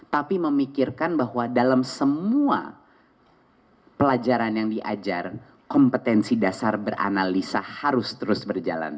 tapi memikirkan bahwa dalam semua pelajaran yang diajar kompetensi dasar beranalisa harus terus berjalan